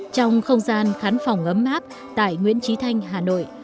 trong không gian khán phòng ấm áp tại nguyễn trí thanh hà nội